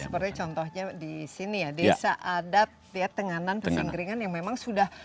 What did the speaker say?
seperti contohnya di sini ya desa adat ya tenganan pesingkringan yang memang sudah